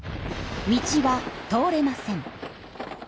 道は通れません。